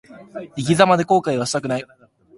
生き様で後悔はしたくない。